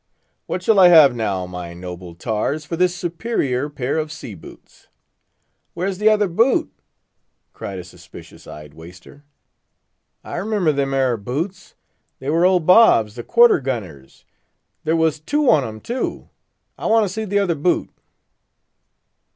"What shall I have now, my noble tars, for this superior pair of sea boots?" "Where's t'other boot?" cried a suspicious eyed waister. "I remember them 'ere boots. They were old Bob's the quarter gunner's; there was two on 'em, too. I want to see t'other boot."